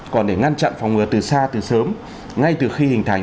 còn để ngăn chặn phòng ngừa từ xa từ sớm ngay từ khi hình thành